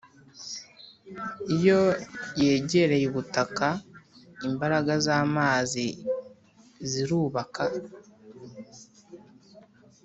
iyo yegereye ubutaka, imbaraga zamazi zirubaka.